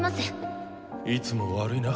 いつも悪いな。